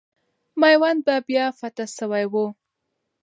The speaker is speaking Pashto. میوند به بیا فتح سوی وو.